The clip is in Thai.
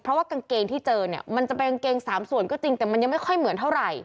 เพราะว่ากางเกงที่เจอเนี่ยมันจะเป็นกางเกงสามส่วนก็จริงแต่มันยังไม่ค่อยเหมือนเท่าไหร่